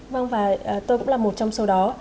vâng và tôi cũng là một trong số đó